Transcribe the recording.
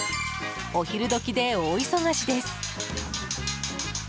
お昼時で大忙しです。